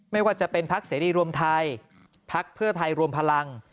ไม่ว่าจะเป็นพักเสรีรวมไทยพักเพื่อไทยรวมพลัง